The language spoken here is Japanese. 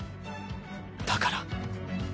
だから。